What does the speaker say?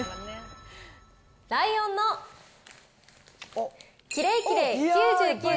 ライオンのキレイキレイ９９．９９％